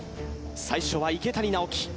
最初は池谷直樹